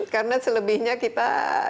karena selebihnya kita